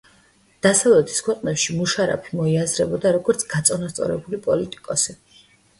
დასავლეთის ქვეყნებში მუშარაფი მოიაზრებოდა, როგორც გაწონასწორებული პოლიტიკოსი.